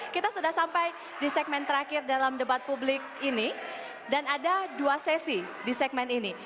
kita sudah sampai di segmen terakhir dalam debat publik ini dan ada dua sesi di segmen ini